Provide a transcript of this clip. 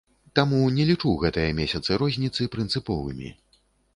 Таму не лічу гэтыя месяцы розніцы прынцыповымі.